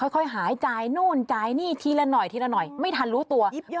ค่อยหายจ่ายนู่นจ่ายหนี้ทีละหน่อยทีละหน่อยไม่ทันรู้ตัว